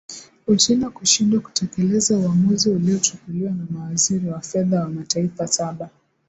uchina kushindwa kutekeleza uamuzi uliochukuliwa na mawaziri wa fedha wa mataifa saba